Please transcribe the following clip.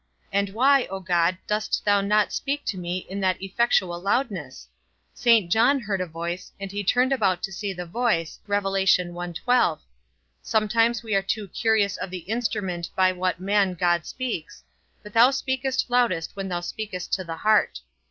And why, O God, dost thou not speak to me, in that effectual loudness? Saint John heard a voice, and he turned about to see the voice: sometimes we are too curious of the instrument by what man God speaks; but thou speakest loudest when thou speakest to the heart.